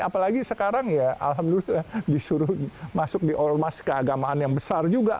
apalagi sekarang ya alhamdulillah disuruh masuk di ormas keagamaan yang besar juga